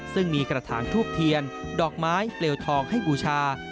ซึ่งมีกระถางทูบเทียนดอกไม้เปลวทองให้บูชา